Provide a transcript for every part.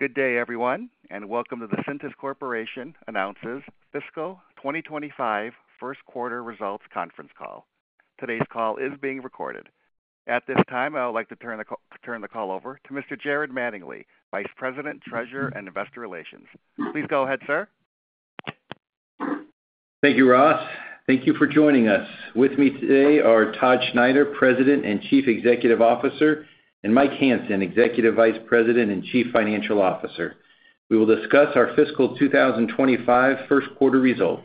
`Good day, everyone, and welcome to the Cintas Corporation announces Fiscal 2025 First Quarter Results conference call. Today's call is being recorded. At this time, I would like to turn the call over to Mr. Jared Mattingley, Vice President, Treasurer, and Investor Relations. Please go ahead, sir. Thank you, Ross. Thank you for joining us. With me today are Todd Schneider, President and Chief Executive Officer, and Mike Hansen, Executive Vice President and Chief Financial Officer. We will discuss our fiscal 2025 first quarter results.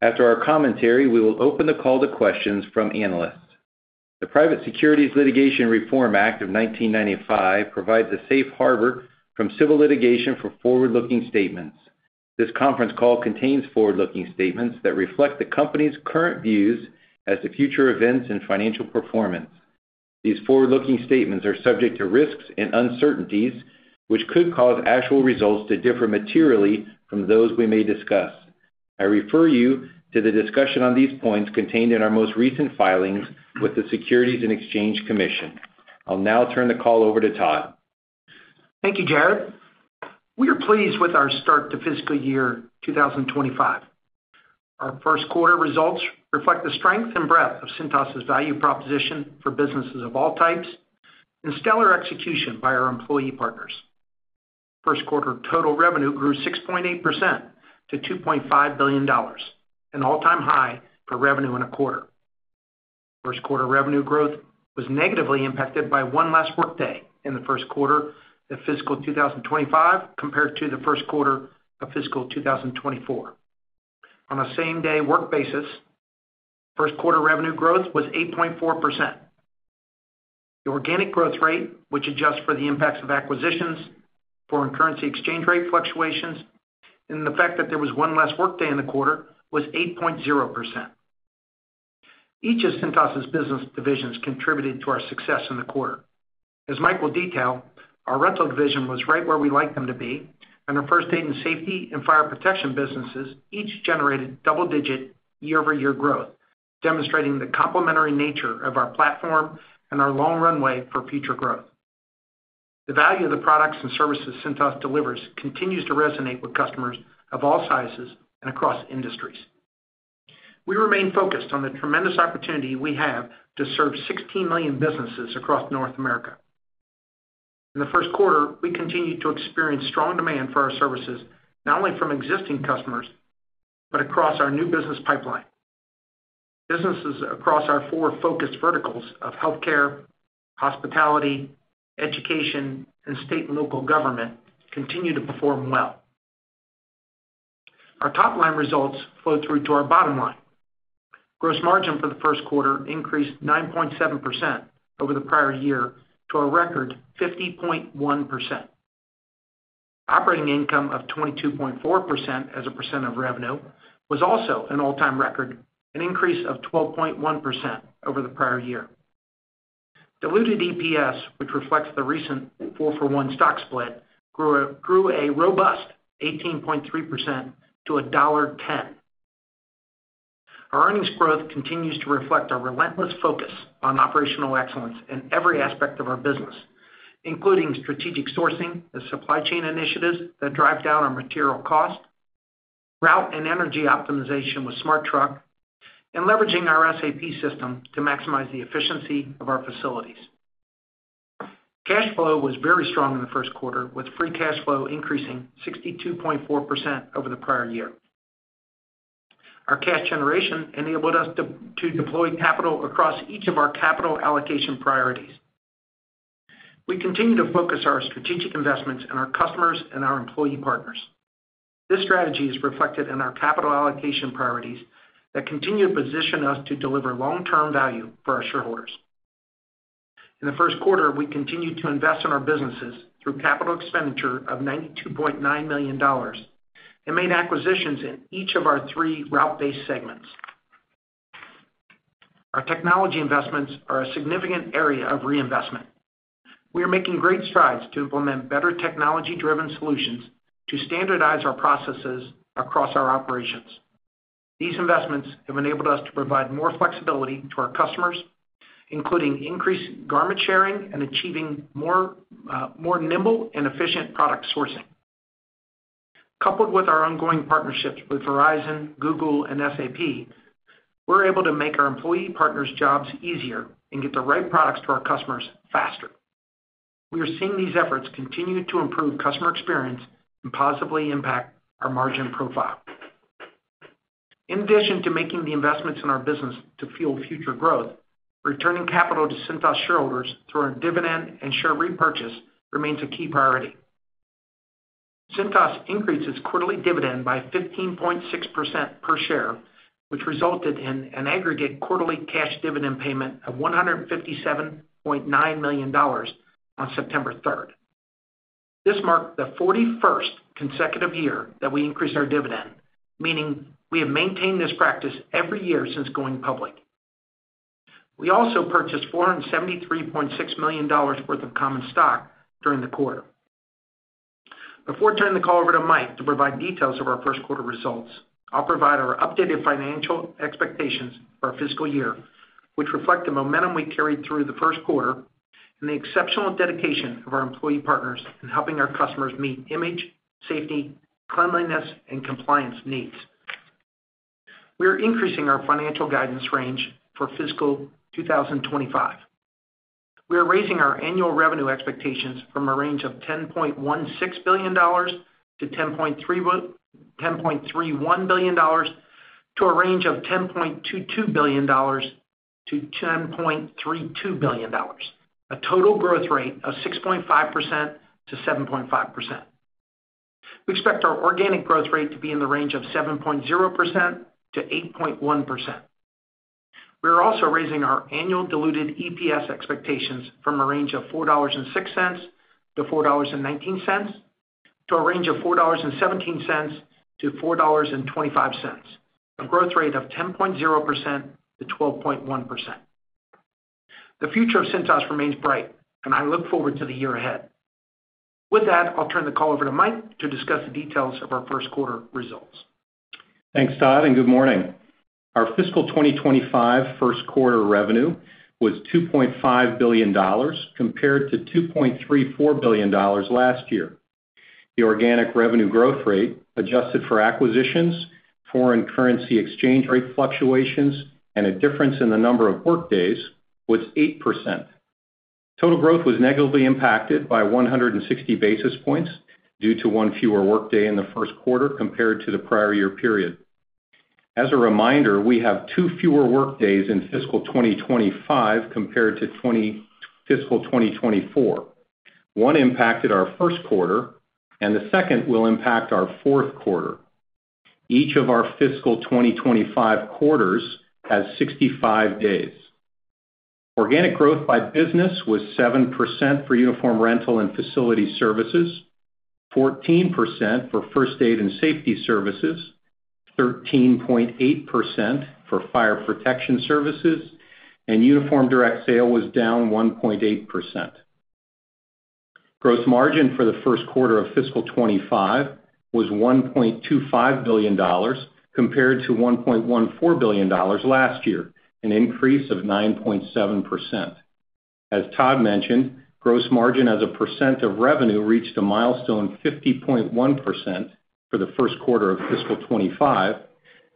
After our commentary, we will open the call to questions from analysts. The Private Securities Litigation Reform Act of 1995 provides a safe harbor from civil litigation for forward-looking statements. This conference call contains forward-looking statements that reflect the company's current views as to future events and financial performance. These forward-looking statements are subject to risks and uncertainties, which could cause actual results to differ materially from those we may discuss. I refer you to the discussion on these points contained in our most recent filings with the Securities and Exchange Commission. I'll now turn the call over to Todd. Thank you, Jared. We are pleased with our start to fiscal year 2025. Our first quarter results reflect the strength and breadth of Cintas's value proposition for businesses of all types and stellar execution by our employee partners. First quarter total revenue grew 6.8% to $2.5 billion, an all-time high for revenue in a quarter. First quarter revenue growth was negatively impacted by one less workday in the first quarter of fiscal 2025 compared to the first quarter of fiscal 2024. On a same-day work basis, first quarter revenue growth was 8.4%. The organic growth rate, which adjusts for the impacts of acquisitions, foreign currency exchange rate fluctuations, and the fact that there was one less workday in the quarter, was 8.0%. Each of Cintas's business divisions contributed to our success in the quarter. As Mike will detail, our rental division was right where we like them to be, and our first aid and safety and fire protection businesses each generated double-digit year-over-year growth, demonstrating the complementary nature of our platform and our long runway for future growth. The value of the products and services Cintas delivers continues to resonate with customers of all sizes and across industries. We remain focused on the tremendous opportunity we have to serve 16 million businesses across North America. In the first quarter, we continued to experience strong demand for our services, not only from existing customers, but across our new business pipeline. Businesses across our four focused verticals of healthcare, hospitality, education, and state and local government continue to perform well. Our top-line results flow through to our bottom line. Gross margin for the first quarter increased 9.7% over the prior year to a record 50.1%. Operating income of 22.4% as a percent of revenue was also an all-time record, an increase of 12.1% over the prior year. Diluted EPS, which reflects the recent four-for-one stock split, grew a robust 18.3% to $1.10. Our earnings growth continues to reflect our relentless focus on operational excellence in every aspect of our business, including strategic sourcing and supply chain initiatives that drive down our material costs, route and energy optimization with SmartTruck, and leveraging our SAP system to maximize the efficiency of our facilities. Cash flow was very strong in the first quarter, with free cash flow increasing 62.4% over the prior year. Our cash generation enabled us to deploy capital across each of our capital allocation priorities. We continue to focus our strategic investments in our customers and our employee partners. This strategy is reflected in our capital allocation priorities that continue to position us to deliver long-term value for our shareholders. In the first quarter, we continued to invest in our businesses through capital expenditure of $92.9 million and made acquisitions in each of our three route-based segments. Our technology investments are a significant area of reinvestment. We are making great strides to implement better technology-driven solutions to standardize our processes across our operations. These investments have enabled us to provide more flexibility to our customers, including increased garment sharing and achieving more nimble and efficient product sourcing. Coupled with our ongoing partnerships with Verizon, Google, and SAP, we're able to make our employee partners' jobs easier and get the right products to our customers faster. We are seeing these efforts continue to improve customer experience and positively impact our margin profile. In addition to making the investments in our business to fuel future growth, returning capital to Cintas shareholders through our dividend and share repurchase remains a key priority. Cintas increased its quarterly dividend by 15.6% per share, which resulted in an aggregate quarterly cash dividend payment of $157.9 million on September 3. This marked the 41st consecutive year that we increased our dividend, meaning we have maintained this practice every year since going public. We also purchased $473.6 million worth of common stock during the quarter. Before turning the call over to Mike to provide details of our first quarter results, I'll provide our updated financial expectations for our fiscal year, which reflect the momentum we carried through the first quarter and the exceptional dedication of our employee partners in helping our customers meet image, safety, cleanliness, and compliance needs. We are increasing our financial guidance range for fiscal 2025. We are raising our annual revenue expectations from a range of $10.16 billion to $10.31 billion to a range of $10.22 billion to $10.32 billion, a total growth rate of 6.5% to 7.5%. We expect our organic growth rate to be in the range of 7.0% to 8.1%. We are also raising our annual Diluted EPS expectations from a range of $4.06 to $4.19, to a range of $4.17 to $4.25, a growth rate of 10.0% to 12.1%. The future of Cintas remains bright, and I look forward to the year ahead. With that, I'll turn the call over to Mike to discuss the details of our first quarter results. Thanks, Todd, and good morning. Our fiscal 2025 first quarter revenue was $2.5 billion, compared to $2.34 billion last year. The organic revenue growth rate, adjusted for acquisitions, foreign currency exchange rate fluctuations, and a difference in the number of workdays, was 8%. Total growth was negatively impacted by 160 basis points due to one fewer workday in the first quarter compared to the prior year period. As a reminder, we have two fewer workdays in fiscal 2025 compared to fiscal 2024. One impacted our first quarter, and the second will impact our fourth quarter. Each of our fiscal 2025 quarters has 65 days. Organic growth by business was 7% for uniform rental and facility services, 14% for first aid and safety services, 13.8% for fire protection services, and Uniform Direct Sale was down 1.8%. Gross margin for the first quarter of fiscal 2025 was $1.25 billion, compared to $1.14 billion last year, an increase of 9.7%. As Todd mentioned, gross margin as a percent of revenue reached a milestone 50.1% for the first quarter of fiscal 2025,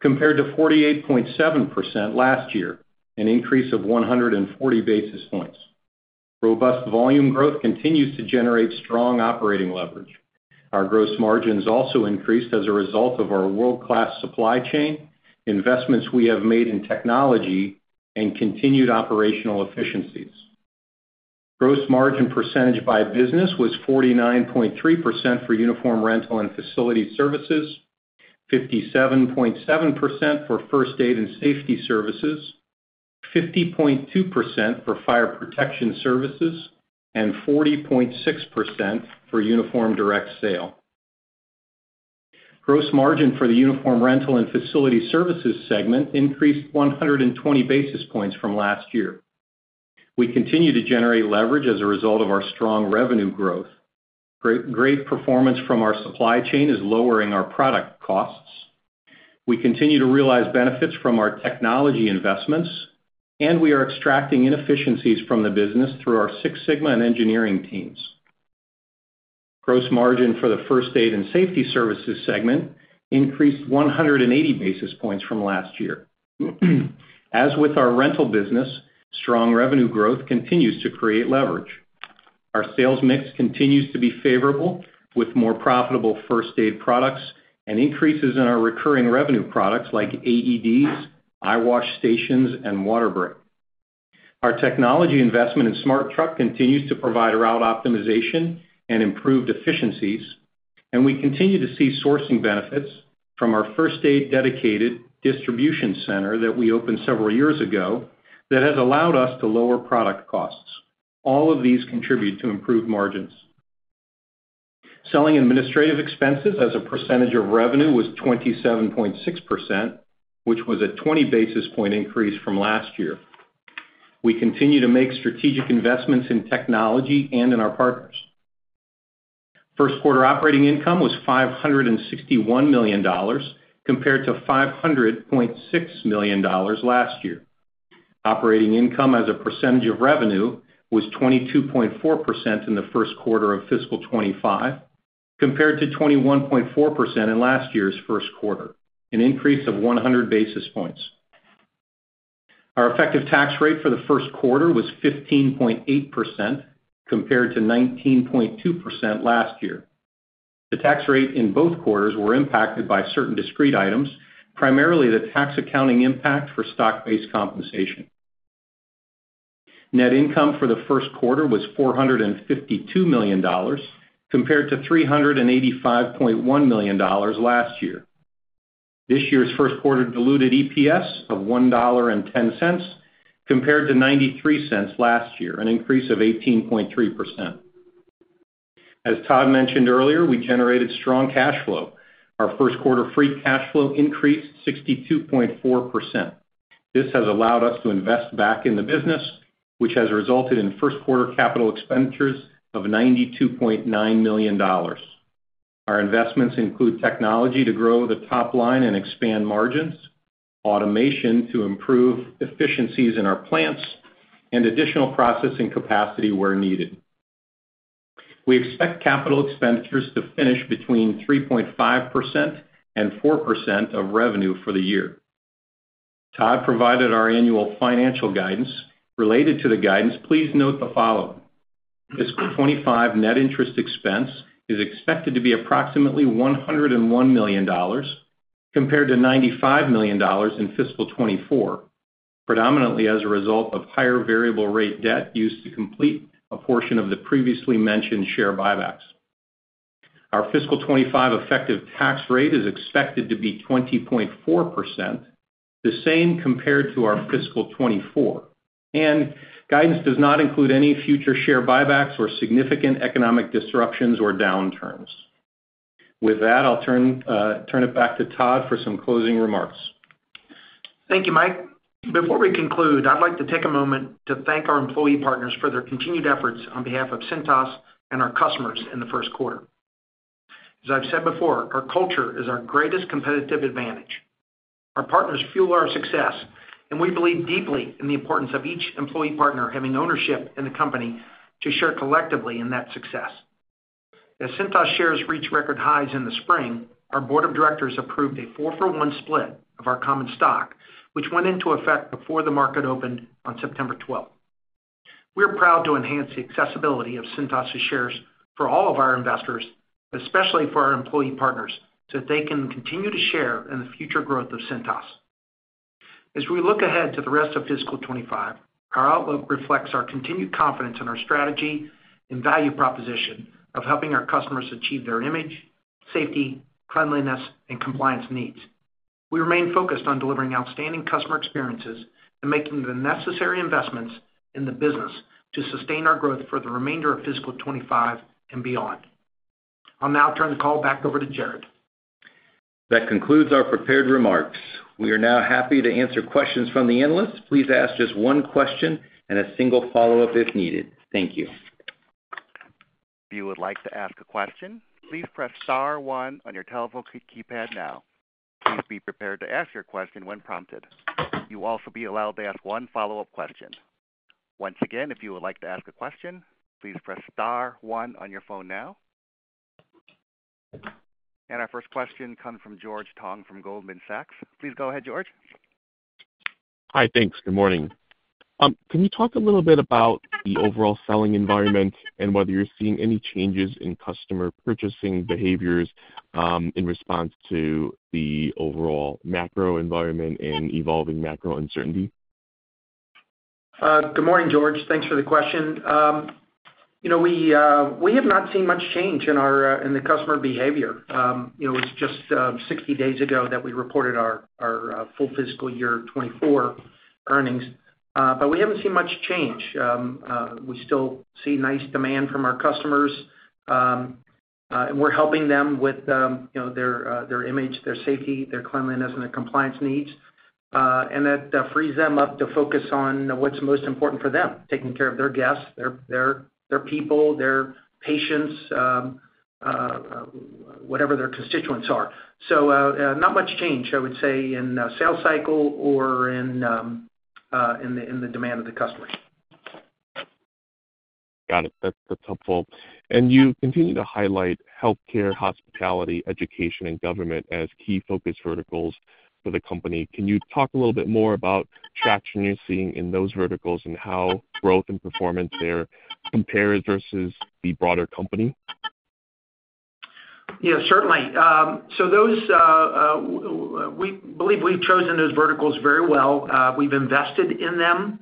compared to 48.7% last year, an increase of 140 basis points. Robust volume growth continues to generate strong operating leverage. Our gross margins also increased as a result of our world-class supply chain, investments we have made in technology, and continued operational efficiencies. Gross margin percentage by business was 49.3% for uniform rental and facility services, 57.7% for first aid and safety services, 50.2% for fire protection services, and 40.6% for Uniform Direct Sale. Gross margin for the uniform rental and facility services segment increased 120 basis points from last year. We continue to generate leverage as a result of our strong revenue growth. Great, great performance from our supply chain is lowering our product costs. We continue to realize benefits from our technology investments, and we are extracting inefficiencies from the business through our Six Sigma and engineering teams. Gross margin for the first aid and safety services segment increased 180 basis points from last year. As with our rental business, strong revenue growth continues to create leverage. Our sales mix continues to be favorable, with more profitable first aid products and increases in our recurring revenue products like AEDs, eye wash stations, and WaterBreak. Our technology investment in SmartTruck continues to provide route optimization and improved efficiencies, and we continue to see sourcing benefits from our first aid-dedicated distribution center that we opened several years ago that has allowed us to lower product costs. All of these contribute to improved margins. Selling administrative expenses as a percentage of revenue was 27.6%, which was a twenty basis point increase from last year. We continue to make strategic investments in technology and in our partners. First quarter operating income was $561 million, compared to $500.6 million last year. Operating income as a percentage of revenue was 22.4% in the first quarter of fiscal 2025, compared to 21.4% in last year's first quarter, an increase of 100 basis points. Our effective tax rate for the first quarter was 15.8%, compared to 19.2% last year. The tax rate in both quarters were impacted by certain discrete items, primarily the tax accounting impact for stock-based compensation. Net income for the first quarter was $452 million, compared to $385.1 million last year. This year's first quarter diluted EPS of $1.10, compared to $0.93 last year, an increase of 18.3%. As Todd mentioned earlier, we generated strong cash flow. Our first quarter free cash flow increased 62.4%. This has allowed us to invest back in the business, which has resulted in first quarter capital expenditures of $92.9 million. Our investments include technology to grow the top line and expand margins, automation to improve efficiencies in our plants, and additional processing capacity where needed. We expect capital expenditures to finish between 3.5% and 4% of revenue for the year. Todd provided our annual financial guidance. Related to the guidance, please note the following: fiscal 2025 net interest expense is expected to be approximately $101 million, compared to $95 million in fiscal 2024, predominantly as a result of higher variable rate debt used to complete a portion of the previously mentioned share buybacks. Our fiscal 2025 effective tax rate is expected to be 20.4%, the same compared to our fiscal 2024, and guidance does not include any future share buybacks or significant economic disruptions or downturns. With that, I'll turn it back to Todd for some closing remarks. Thank you, Mike. Before we conclude, I'd like to take a moment to thank our employee partners for their continued efforts on behalf of Cintas and our customers in the first quarter. As I've said before, our culture is our greatest competitive advantage. Our partners fuel our success, and we believe deeply in the importance of each employee partner having ownership in the company to share collectively in that success. As Cintas shares reached record highs in the spring, our board of directors approved a four-for-one split of our common stock, which went into effect before the market opened on September 12. We're proud to enhance the accessibility of Cintas's shares for all of our investors, especially for our employee partners, so that they can continue to share in the future growth of Cintas. As we look ahead to the rest of fiscal 2025, our outlook reflects our continued confidence in our strategy and value proposition of helping our customers achieve their image, safety, cleanliness, and compliance needs. We remain focused on delivering outstanding customer experiences and making the necessary investments in the business to sustain our growth for the remainder of fiscal 2025 and beyond. I'll now turn the call back over to Jared. That concludes our prepared remarks. We are now happy to answer questions from the analysts. Please ask just one question and a single follow-up if needed. Thank you. If you would like to ask a question, please press star one on your telephone keypad now. Please be prepared to ask your question when prompted. You will also be allowed to ask one follow-up question. Once again, if you would like to ask a question, please press star one on your phone now. And our first question comes from George Tong, from Goldman Sachs. Please go ahead, George. Hi, thanks. Good morning. Can you talk a little bit about the overall selling environment and whether you're seeing any changes in customer purchasing behaviors, in response to the overall macro environment and evolving macro uncertainty? Good morning, George. Thanks for the question. You know, we have not seen much change in our customer behavior. You know, it's just 60 days ago that we reported our full fiscal year2024 earnings, but we haven't seen much change. We still see nice demand from our customers. And we're helping them with, you know, their image, their safety, their cleanliness, and their compliance needs. And that frees them up to focus on what's most important for them, taking care of their guests, their people, their patients, whatever their constituents are. So, not much change, I would say, in the sales cycle or in the demand of the customer. Got it. That's helpful. And you continue to highlight healthcare, hospitality, education, and government as key focus verticals for the company. Can you talk a little bit more about traction you're seeing in those verticals and how growth and performance there compares versus the broader company? Yeah, certainly. So those, we believe we've chosen those verticals very well. We've invested in them.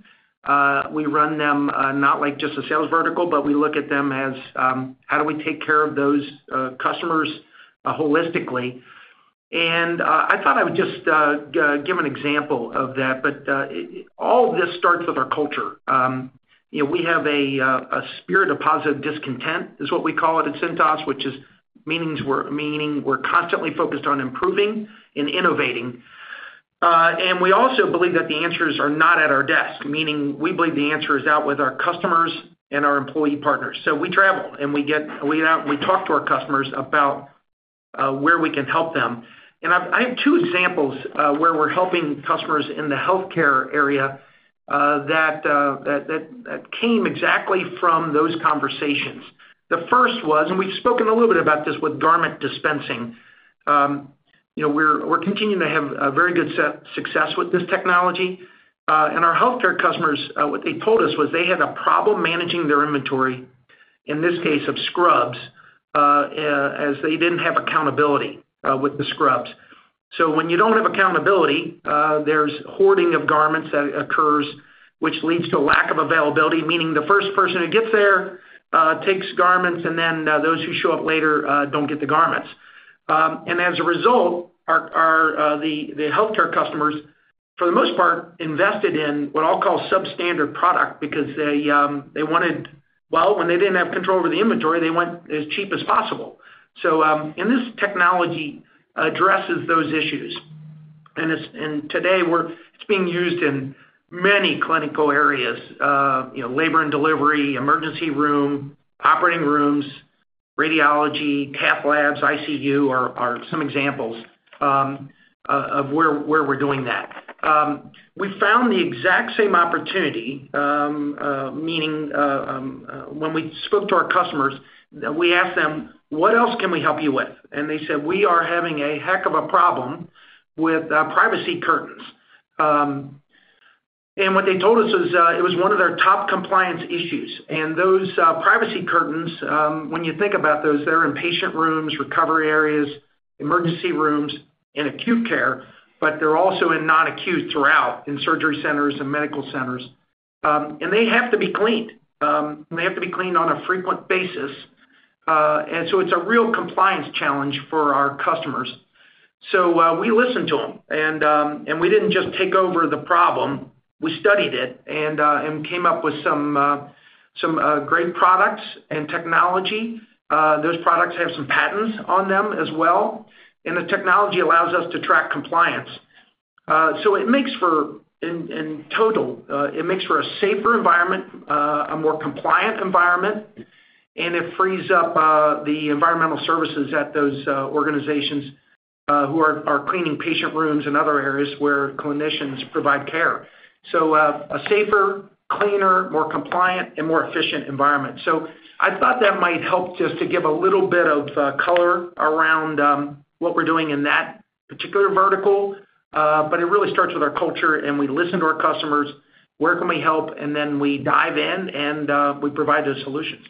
We run them, not like just a sales vertical, but we look at them as, how do we take care of those customers, holistically? And, I thought I would just give an example of that. But, all of this starts with our culture. You know, we have a spirit of positive discontent, is what we call it at Cintas, which means we're constantly focused on improving and innovating. And we also believe that the answers are not at our desk, meaning we believe the answer is out with our customers and our employee partners. So we travel, and we get out and we talk to our customers about where we can help them. And I have two examples where we're helping customers in the healthcare area that came exactly from those conversations. The first was, and we've spoken a little bit about this, with garment dispensing. You know, we're continuing to have a very good set success with this technology. And our healthcare customers, what they told us was they had a problem managing their inventory, in this case, of scrubs, as they didn't have accountability with the scrubs. So when you don't have accountability, there's hoarding of garments that occurs, which leads to a lack of availability, meaning the first person who gets there takes garments, and then those who show up later don't get the garments. And as a result, our healthcare customers, for the most part, invested in what I'll call substandard product because they wanted, well, when they didn't have control over the inventory, they went as cheap as possible. So, and this technology addresses those issues. And today, it's being used in many clinical areas, you know, labor and delivery, emergency room, operating rooms, radiology, cath labs, ICU are some examples of where we're doing that. We found the exact same opportunity, meaning, when we spoke to our customers, that we asked them: "What else can we help you with?" And they said: "We are having a heck of a problem with privacy curtains." And what they told us is, it was one of their top compliance issues. And those privacy curtains, when you think about those, they're in patient rooms, recovery areas, emergency rooms, and acute care, but they're also in non-acute throughout, in surgery centers and medical centers. And they have to be cleaned. They have to be cleaned on a frequent basis, and so it's a real compliance challenge for our customers. So, we listened to them, and we didn't just take over the problem. We studied it and came up with some great products and technology. Those products have some patents on them as well, and the technology allows us to track compliance. So it makes for, in total, a safer environment, a more compliant environment, and it frees up the environmental services at those organizations who are cleaning patient rooms and other areas where clinicians provide care, so a safer, cleaner, more compliant, and more efficient environment. So I thought that might help just to give a little bit of color around what we're doing in that particular vertical. But it really starts with our culture, and we listen to our customers, where can we help, and then we dive in and we provide those solutions.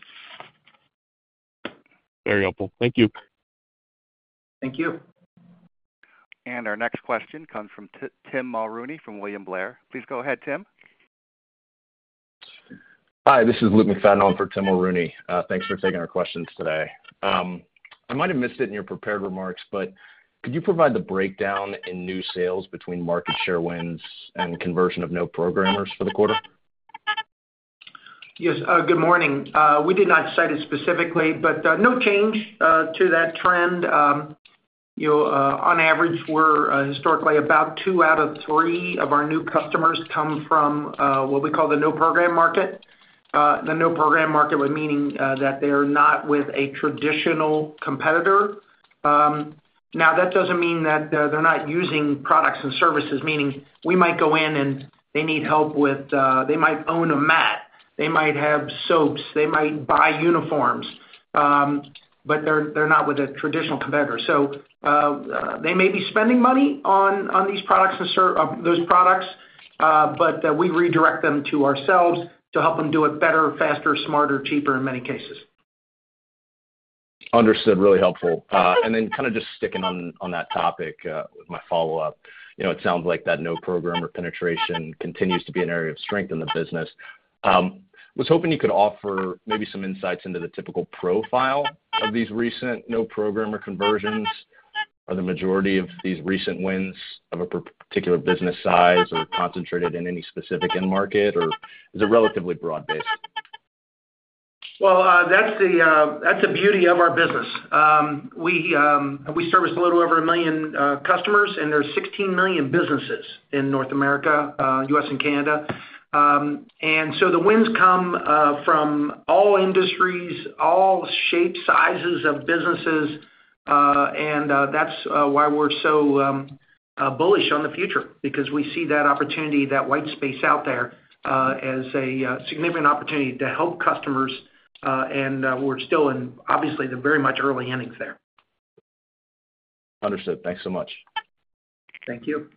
Very helpful. Thank you. Thank you. Our next question comes from Tim Mulrooney from William Blair. Please go ahead, Tim. Hi, this is Luke McFadden in for Tim Mulrooney. Thanks for taking our questions today. I might have missed it in your prepared remarks, but could you provide the breakdown in new sales between market share wins and conversion of no programmers for the quarter? Yes. Good morning. We did not cite it specifically, but no change to that trend. You know, on average, we're historically about two out of three of our new customers come from what we call the No Program market. The No Program market, meaning that they're not with a traditional competitor. Now, that doesn't mean that they're not using products and services, meaning we might go in, and they need help with. They might own a mat, they might have soaps, they might buy uniforms, but they're not with a traditional competitor. So, they may be spending money on these products and those products, but we redirect them to ourselves to help them do it better, faster, smarter, cheaper, in many cases. Understood. Really helpful, and then kind of just sticking on that topic with my follow-up. You know, it sounds like that no-programmer penetration continues to be an area of strength in the business. Was hoping you could offer maybe some insights into the typical profile of these recent no-programmer conversions. Are the majority of these recent wins of a particular business size or concentrated in any specific end market, or is it relatively broad-based? That's the beauty of our business. We service a little over a million customers, and there's 16 million businesses in North America, US and Canada, and so the wins come from all industries, all shapes, sizes of businesses, and that's why we're so bullish on the future. Because we see that opportunity, that white space out there, as a significant opportunity to help customers, and we're still in, obviously, the very much early innings there. Understood. Thanks so much. Thank you.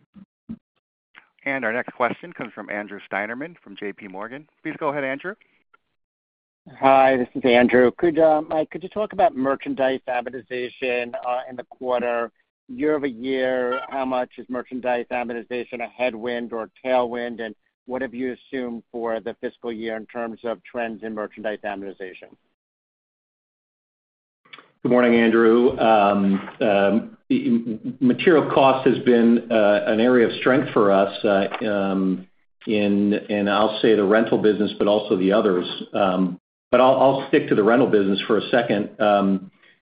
And our next question comes from Andrew Steinerman from JPMorgan. Please go ahead, Andrew. Hi, this is Andrew. Mike, could you talk about merchandise amortization in the quarter, year over year, how much is merchandise amortization a headwind or tailwind? And what have you assumed for the fiscal year in terms of trends in merchandise amortization? Good morning, Andrew. Material cost has been an area of strength for us in, and I'll say the rental business, but also the others. But I'll stick to the rental business for a second.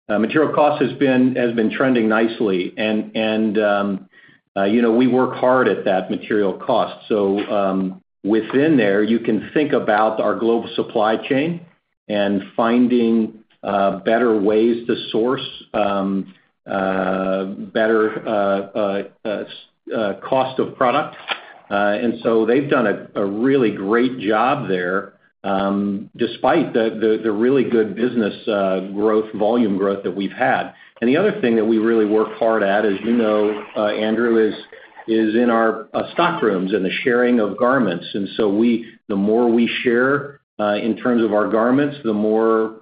Material cost has been trending nicely, and you know, we work hard at that material cost. So, within there, you can think about our global supply chain and finding better ways to source better cost of product. And so they've done a really great job there, despite the really good business growth, volume growth that we've had. And the other thing that we really work hard at is, you know, Andrew, is in our stock rooms and the sharing of garments. And so the more we share in terms of our garments, the more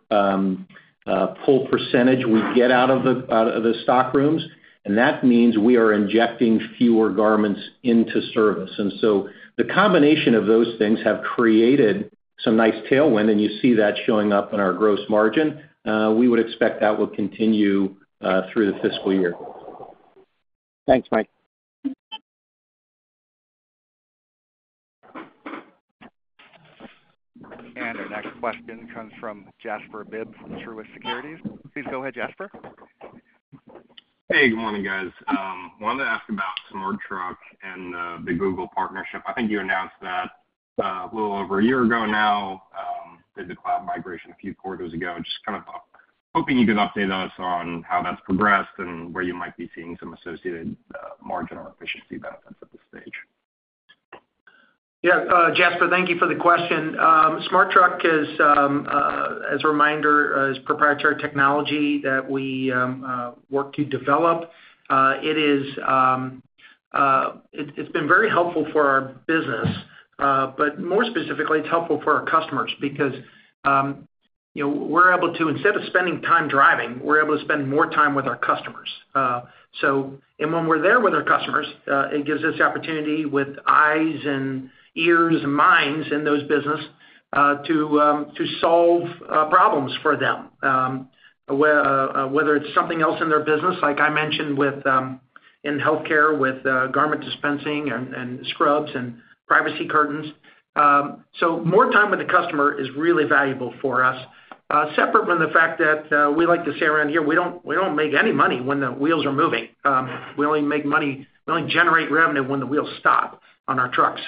pull percentage we get out of the stock rooms, and that means we are injecting fewer garments into service. And so the combination of those things have created some nice tailwind, and you see that showing up in our gross margin. We would expect that will continue through the fiscal year. Thanks, Mike. Our next question comes from Jasper Bibb from Truist Securities. Please go ahead, Jasper. Hey, good morning, guys. Wanted to ask about SmartTruck and the Google partnership. I think you announced that a little over a year ago now, did the cloud migration a few quarters ago. Just kind of hoping you could update us on how that's progressed and where you might be seeing some associated margin or efficiency benefits at this stage. Yeah, Jasper, thank you for the question. SmartTruck is, as a reminder, proprietary technology that we work to develop. It is... it's been very helpful for our business, but more specifically, it's helpful for our customers because, you know, we're able to, instead of spending time driving, we're able to spend more time with our customers. And when we're there with our customers, it gives us the opportunity with eyes and ears and minds in those business, to solve problems for them, whether it's something else in their business, like I mentioned, with, in healthcare, with, garment dispensing and, and scrubs and privacy curtains. So more time with the customer is really valuable for us, separate from the fact that we like to say around here, we don't make any money when the wheels are moving. We only make money. We only generate revenue when the wheels stop on our trucks.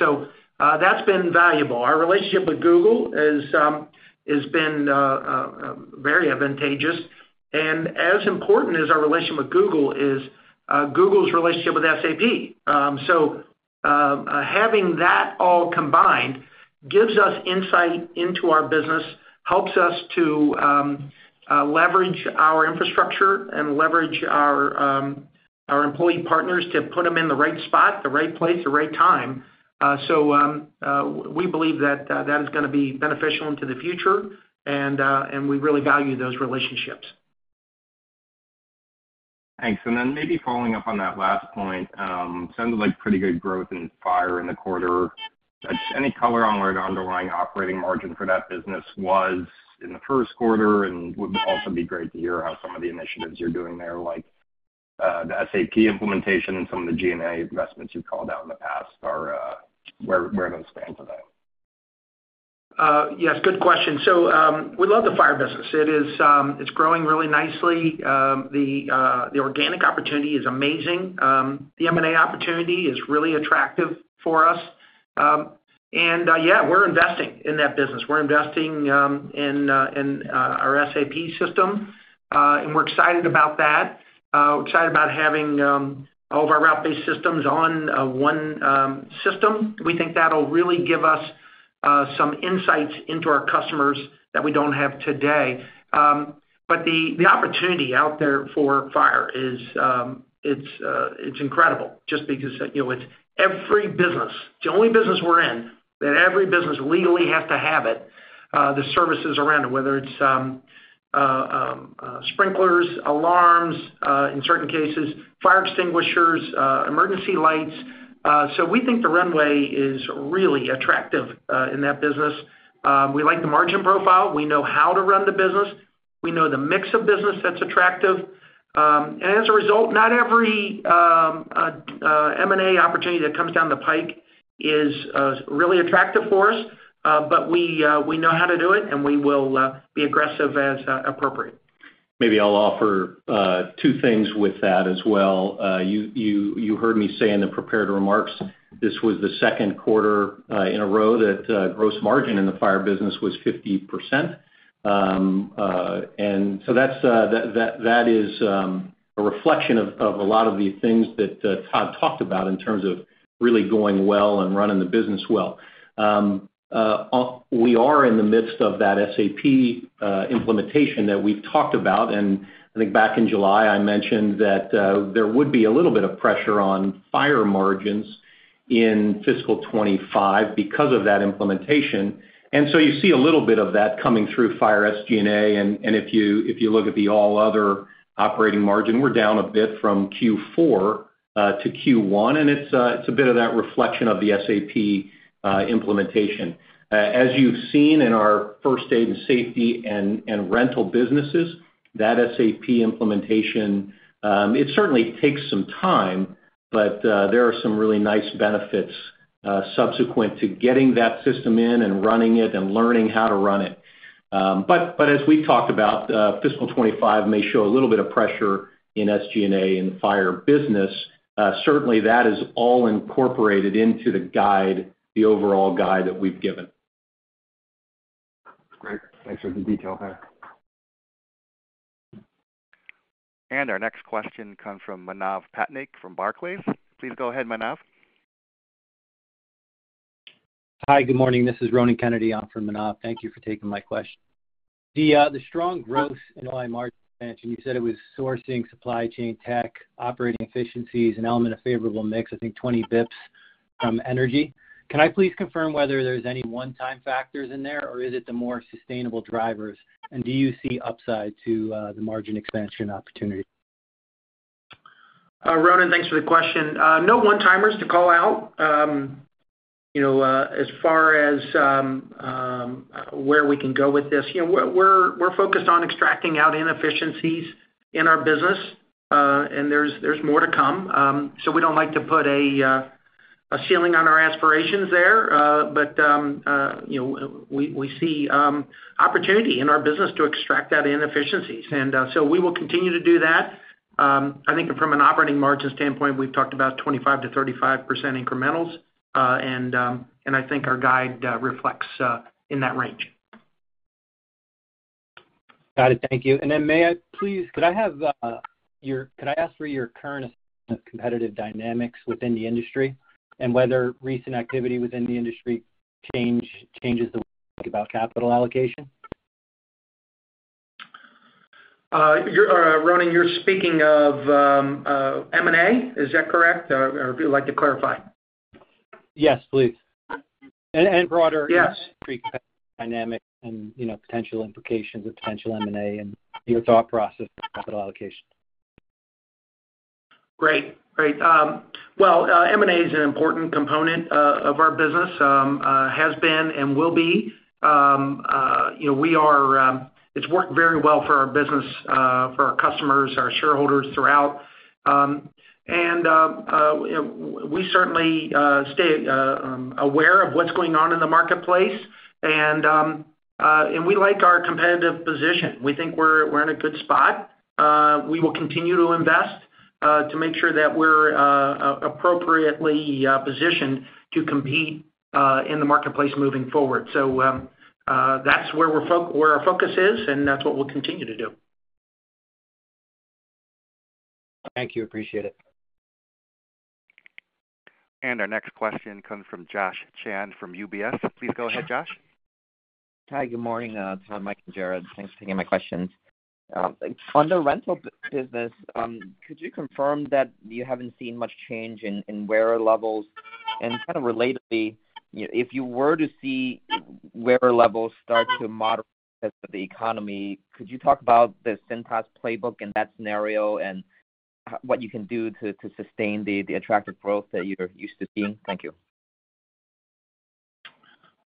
That's been valuable. Our relationship with Google is, has been, very advantageous, and as important as our relationship with Google is, Google's relationship with SAP. Having that all combined gives us insight into our business, helps us to leverage our infrastructure and leverage our employee partners to put them in the right spot, the right place, the right time. We believe that that is gonna be beneficial into the future, and we really value those relationships. Thanks. And then maybe following up on that last point, sounded like pretty good growth in fire in the quarter. Any color on where the underlying operating margin for that business was in the first quarter? And would also be great to hear how some of the initiatives you're doing there, like, the SAP implementation and some of the G&A investments you've called out in the past are, where those stand today? Yes, good question, so we love the fire business. It's growing really nicely. The organic opportunity is amazing. The M&A opportunity is really attractive for us, and yeah, we're investing in that business. We're investing in our SAP system, and we're excited about that. We're excited about having all of our route-based systems on one system. We think that'll really give us some insights into our customers that we don't have today, but the opportunity out there for fire is incredible just because, you know, it's every business, the only business we're in, that every business legally has to have it, the services around it, whether it's sprinklers, alarms, in certain cases, fire extinguishers, emergency lights. So we think the runway is really attractive in that business. We like the margin profile. We know how to run the business. We know the mix of business that's attractive. And as a result, not every M&A opportunity that comes down the pike is really attractive for us, but we know how to do it, and we will be aggressive as appropriate. Maybe I'll offer two things with that as well. You heard me say in the prepared remarks, this was the second quarter in a row that gross margin in the fire business was 50%. And so that's that is a reflection of a lot of the things that Todd talked about in terms of really going well and running the business well. We are in the midst of that SAP implementation that we've talked about, and I think back in July, I mentioned that there would be a little bit of pressure on fire margins in fiscal 2025 because of that implementation. And so you see a little bit of that coming through fire SG&A, and if you look at the all other operating margin, we're down a bit from Q4 to Q1, and it's a bit of that reflection of the SAP implementation. As you've seen in our first aid and safety and rental businesses, that SAP implementation, it certainly takes some time, but there are some really nice benefits subsequent to getting that system in and running it and learning how to run it. But as we talked about, fiscal 2025 may show a little bit of pressure in SG&A in the fire business. Certainly, that is all incorporated into the guide, the overall guide that we've given. Great. Thanks for the detail there. Our next question comes from Manav Patnaik from Barclays. Please go ahead, Manav. Hi, good morning. This is Ronan Kennedy in for Manav. Thank you for taking my question. The strong growth in OI margin, you said it was sourcing, supply chain, tech, operating efficiencies, an element of favorable mix, I think 20 basis points from energy. Can I please confirm whether there's any one-time factors in there, or is it the more sustainable drivers? And do you see upside to the margin expansion opportunity? Ronan, thanks for the question. No one-timers to call out. You know, as far as where we can go with this, you know, we're focused on extracting out inefficiencies in our business, and there's more to come. So we don't like to put a ceiling on our aspirations there, but we see opportunity in our business to extract that inefficiencies, and so we will continue to do that. I think from an operating margin standpoint, we've talked about 25%-35% incrementals, and I think our guide reflects in that range. Got it. Thank you. And then could I ask for your current competitive dynamics within the industry? And whether recent activity within the industry change, changes the way about capital allocation? Ronan, you're speaking of M&A? Is that correct, or if you'd like to clarify. Yes, please. And broader- Yes. Dynamic and, you know, potential implications of potential M&A and your thought process of capital allocation. Great. Well, M&A is an important component of our business, has been and will be. You know, we are, it's worked very well for our business, for our customers, our shareholders throughout. And, we certainly stay aware of what's going on in the marketplace. And, and we like our competitive position. We think we're in a good spot. We will continue to invest, to make sure that we're appropriately positioned to compete in the marketplace moving forward. So, that's where we're where our focus is, and that's what we'll continue to do. Thank you. Appreciate it. And our next question comes from Josh Chan from UBS. Please go ahead, Josh. Hi, good morning, Mike and Jared. Thanks for taking my questions. On the rental business, could you confirm that you haven't seen much change in wearer levels? And kind of relatedly, if you were to see wearer levels start to moderate the economy, could you talk about the Cintas playbook in that scenario and what you can do to sustain the attractive growth that you're used to seeing? Thank you.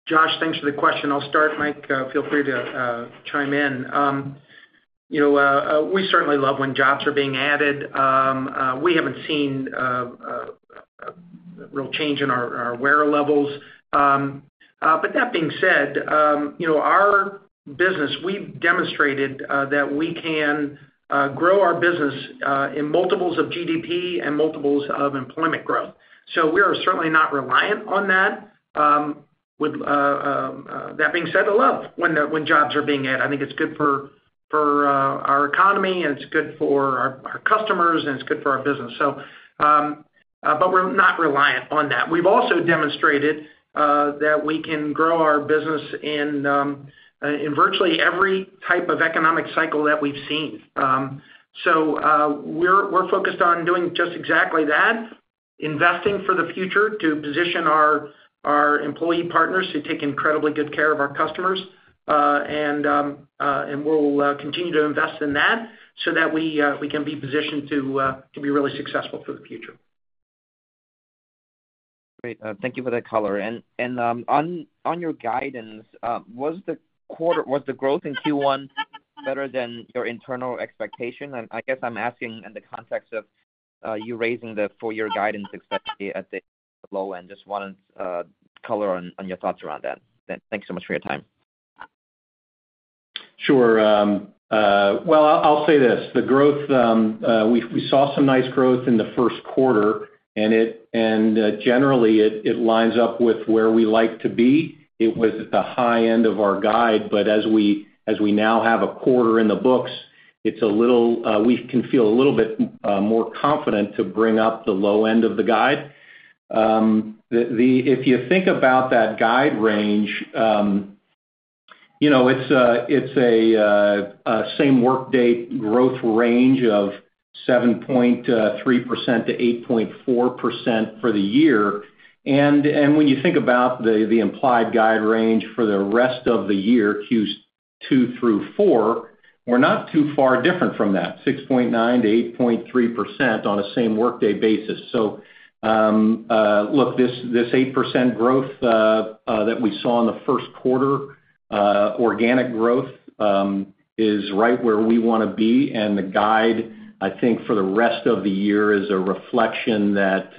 Josh, thanks for the question. I'll start, Mike, feel free to chime in. You know, we certainly love when jobs are being added. We haven't seen a real change in our wearer levels. But that being said, you know, our business, we've demonstrated that we can grow our business in multiples of GDP and multiples of employment growth. So we are certainly not reliant on that. With that being said, I love when jobs are being added. I think it's good for our economy, and it's good for our customers, and it's good for our business. So, but we're not reliant on that. We've also demonstrated that we can grow our business in virtually every type of economic cycle that we've seen. So, we're focused on doing just exactly that, investing for the future to position our employee partners to take incredibly good care of our customers. And we'll continue to invest in that so that we can be positioned to be really successful for the future. Great. Thank you for that color. And on your guidance, was the growth in Q1 better than your internal expectation? And I guess I'm asking in the context of you raising the full year guidance, especially at the low end. Just wanted color on your thoughts around that. Thanks so much for your time. Sure. I'll say this, the growth, we saw some nice growth in the first quarter, and it generally, it lines up with where we like to be. It was at the high end of our guide, but as we now have a quarter in the books, it's a little, we can feel a little bit more confident to bring up the low end of the guide. The. If you think about that guide range, you know, it's a same work day growth range of 7.3% to 8.4% for the year. When you think about the implied guide range for the rest of the year, Q2 through four, we're not too far different from that, 6.9%-8.3% on a same workday basis. So, look, this 8% growth that we saw in the first quarter, organic growth, is right where we wanna be. The guide, I think, for the rest of the year, is a reflection that,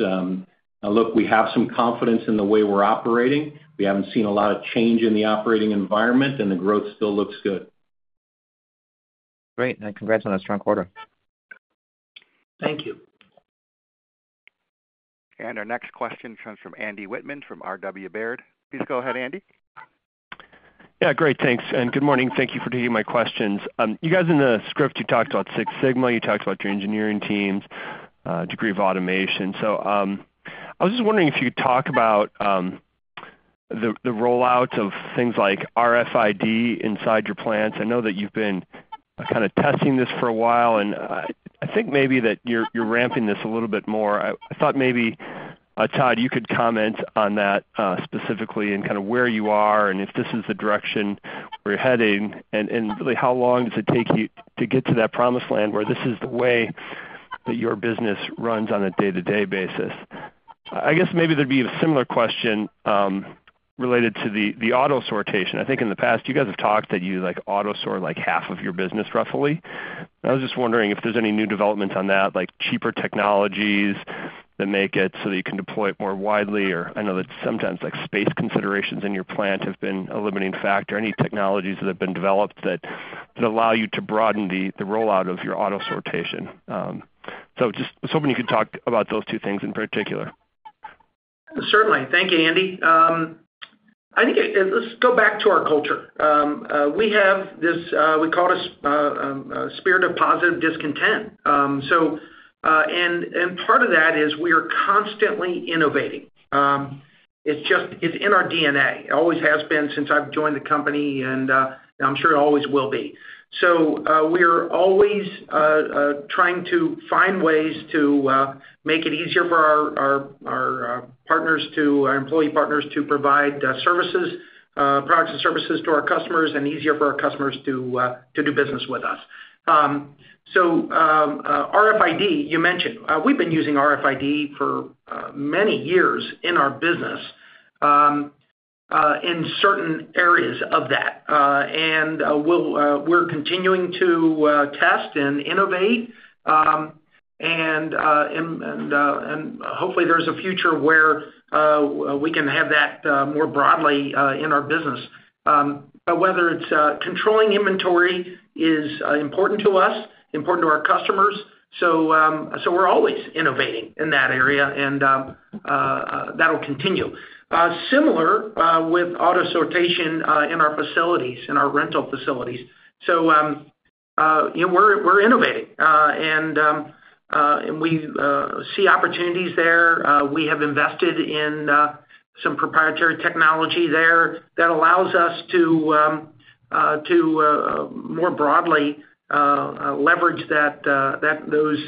look, we have some confidence in the way we're operating. We haven't seen a lot of change in the operating environment, and the growth still looks good. Great, and congrats on a strong quarter. Thank you. Our next question comes from Andy Wittmann from R.W. Baird. Please go ahead, Andy. Yeah, great, thanks, and good morning. Thank you for taking my questions. You guys in the script, you talked about Six Sigma, you talked about your engineering teams, degree of automation. So, I was just wondering if you could talk about the rollouts of things like RFID inside your plants. I know that you've been kind of testing this for a while, and I think maybe that you're ramping this a little bit more. I thought maybe Todd, you could comment on that specifically, and kind of where you are, and if this is the direction we're heading, and really, how long does it take you to get to that promised land where this is the way that your business runs on a day-to-day basis? I guess maybe there'd be a similar question... Related to the auto sortation. I think in the past, you guys have talked that you like auto sort, like, half of your business roughly. I was just wondering if there's any new developments on that, like cheaper technologies that make it so that you can deploy it more widely, or I know that sometimes, like, space considerations in your plant have been a limiting factor. Any technologies that have been developed that allow you to broaden the rollout of your auto sortation? So just was hoping you could talk about those two things in particular. Certainly. Thank you, Andy. Let's go back to our culture. We have this, we call it a spirit of positive discontent. Part of that is we are constantly innovating. It's just, it's in our DNA. It always has been since I've joined the company, and I'm sure it always will be. We're always trying to find ways to make it easier for our partners, our employee partners, to provide services, products, and services to our customers, and easier for our customers to do business with us. RFID, you mentioned. We've been using RFID for many years in our business, in certain areas of that. And we're continuing to test and innovate, and hopefully there's a future where we can have that more broadly in our business. But whether it's controlling inventory is important to us, important to our customers, so we're always innovating in that area, and that'll continue. Similar with auto sortation in our facilities, in our rental facilities. So you know, we're innovating, and we see opportunities there. We have invested in some proprietary technology there that allows us to more broadly leverage those